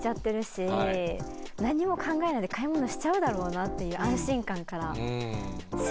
何も考えないで買い物しちゃうだろうなっていう安心感から。